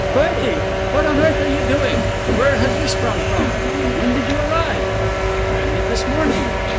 'Bertie! What on earth are you doing? Where have you sprung from? When did you arrive?' 'Landed this morning.